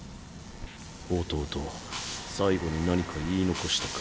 弟は最期に何か言い残したか？